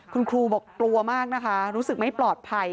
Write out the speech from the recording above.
คุณครูบอกกลัวมากนะคะรู้สึกไม่ปลอดภัย